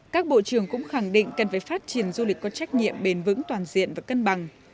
các bộ trưởng cũng khẳng định cần phải phát triển du lịch có trách nhiệm bền vững toàn diện và cân bằng